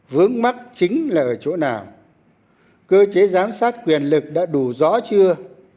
vướng mắt chính là ở chỗ nào cơ chế giám sát quyền lực đã đủ rõ chưa